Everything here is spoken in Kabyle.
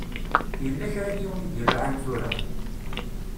Yella kra n yiwen i d-iluɛan tura.